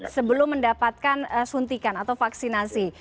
sebelum mendapatkan suntikan atau vaksinasi